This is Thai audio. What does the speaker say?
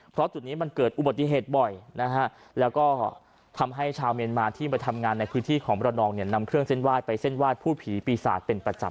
เพราะจุดนี้มันเกิดอุบัติเหตุบ่อยแล้วก็ทำให้ชาวเมรินมาที่มาทำงานในพื้นที่ของบรรดองนำเครื่องเส้นวาดไปเส้นวาดผู้ผีปีศาจเป็นประจำ